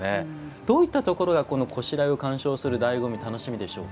どういったところが拵を鑑賞するだいご味楽しみでしょうか？